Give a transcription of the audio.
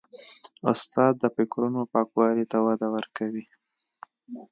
استاد د فکرونو پاکوالي ته وده ورکوي.